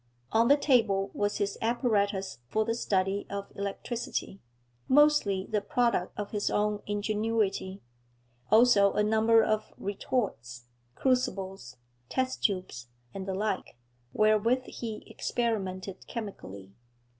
On the table was his apparatus for the study of electricity, mostly the product of his own ingenuity; also a number of retorts, crucibles, test tubes, and the like, wherewith he experimented chemically.